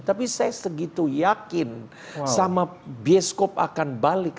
tapi saya segitu yakin sama bioskop akan balik